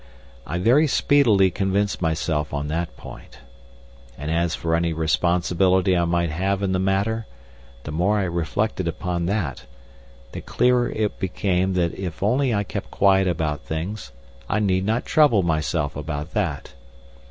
I very speedily convinced myself on that point. And as for any responsibility I might have in the matter, the more I reflected upon that, the clearer it became that if only I kept quiet about things, I need not trouble myself about that.